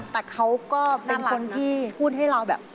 แต่เขาก็เป็นคนที่พูดให้เราแบบ